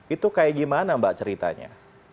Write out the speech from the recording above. itu kayak gimana mbak ceritanya